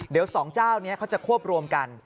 เดี๋ยวสองเจ้านี้เขาจะควบรวมกัน